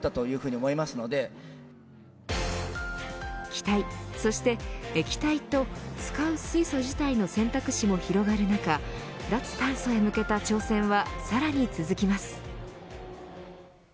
気体、そして液体と使う水素自体の選択肢も広がる中脱炭素へ向けた挑戦はさらに続きます。